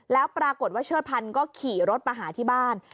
แล้วปรากฏว่าเชิดพันธุ์ก็ขี่รถมาหาที่บ้าน